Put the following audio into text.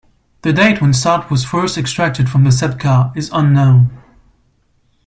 The date when salt was first extracted from the sebkha is unknown.